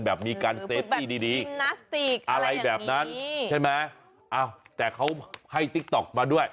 มีการเซฟตี้ดีดีกอะไรแบบนั้นใช่ไหมอ้าวแต่เขาให้ติ๊กต๊อกมาด้วย